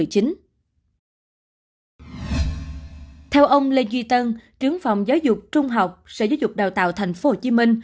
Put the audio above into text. theo ông lê duy tân trưởng phòng giáo dục trung học sở giáo dục đào tạo tp hcm